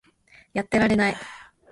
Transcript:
やってられない